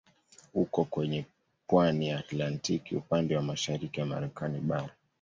Uko kwenye pwani ya Atlantiki upande wa mashariki ya Marekani bara.